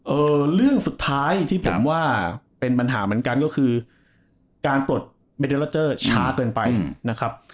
เออเรื่องสุดท้ายที่ผมว่าเป็นปัญหาเหมือนกันก็คือการปลดเช้าเกินไปอืมนะครับ